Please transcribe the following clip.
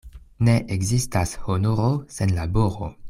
Ne ekzistas honoro sen laboro.